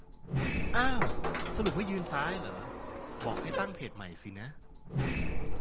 อ้าว สรุปว่ายืนซ้ายเหรอ บอกให้ ตั้งเพจใหม่สินะ